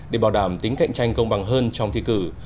để bảo đảm tính cạnh tranh công bằng hơn trong thi cử